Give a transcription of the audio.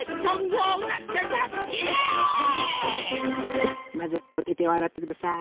じゃまずおててをあらってください。